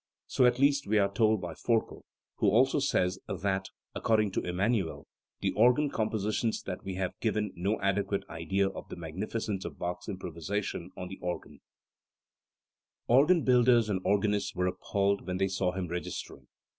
So at least we are told by Forkel, who also says that, according to Emmanuel, the organ compositions that we have give no adequate idea of the magnificence of Bach's improvisation on the organ*. Organ builders and organists were appalled when they saw him registering.